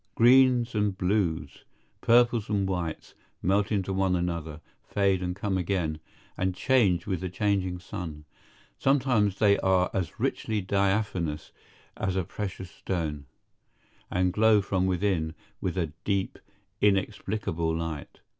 Greens and blues, purples and whites, melt into one another, fade, and come again, and change with the changing sun. Sometimes they are as richly diaphanous as a precious stone, and glow from within with a deep, inexplicable light.